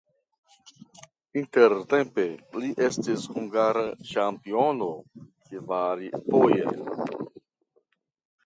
Intertempe li estis hungara ĉampiono kvarfoje.